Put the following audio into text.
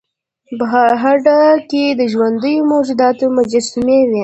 په هډه کې د ژوندیو موجوداتو مجسمې وې